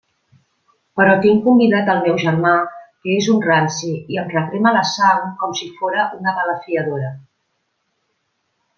Però tinc convidat el meu germà que és un ranci i em recrema la sang com si fóra una balafiadora.